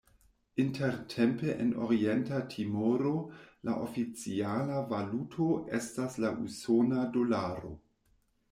Intertempe en Orienta Timoro la oficiala valuto estas la usona dolaro.